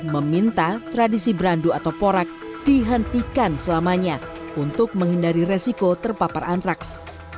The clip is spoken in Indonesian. meminta tradisi berandu atau porak dihentikan selamanya untuk menghindari resiko terpapar antraks